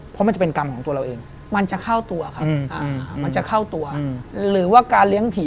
เพราะมันจะเป็นกรรมของตัวเราเอง